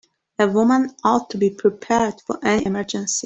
A woman ought to be prepared for any emergency.